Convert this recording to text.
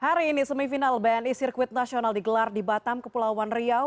hari ini semifinal bni sirkuit nasional digelar di batam kepulauan riau